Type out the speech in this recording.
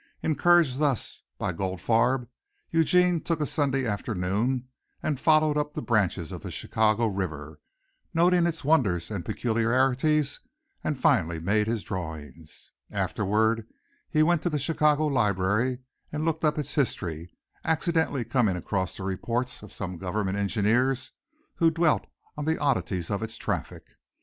Encouraged thus by Goldfarb Eugene took a Sunday afternoon and followed up the branches of the Chicago River, noting its wonders and peculiarities, and finally made his drawings. Afterward he went to the Chicago library and looked up its history accidentally coming across the reports of some government engineers who dwelt on the oddities of its traffic.